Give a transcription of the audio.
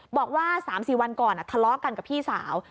บอกว่า๓๔วันก่อนทะเลาะกันกับพี่สาว